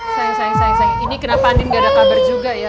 sayang sayang sayang sayang ini kenapa andin gak ada kabar juga ya